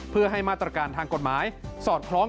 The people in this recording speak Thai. เพื่อให้มาตรการทางกฎหมายสอดคล้อง